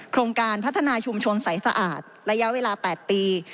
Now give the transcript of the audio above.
โครงการพัฒนาชุมชนใสสะอาดระยะเวลา๘ปี